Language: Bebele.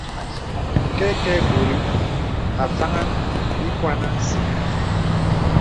Kɛkɛgùrì a faŋaŋ ìkwàn à səŋ.